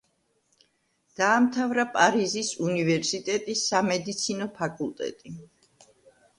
დაამთავრა პარიზის უნივერსიტეტის სამედიცინი ფაკულტეტი.